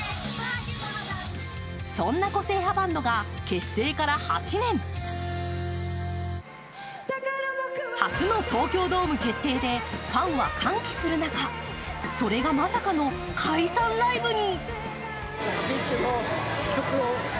そんな個性派バンドが結成から８年、初の東京ドーム決定でファンは歓喜する中それがまさかの、解散ライブに。